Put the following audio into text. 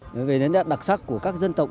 nói về nét đặc sắc của các dân tộc